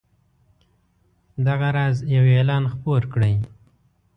دغه راز یو اعلان خپور کړئ.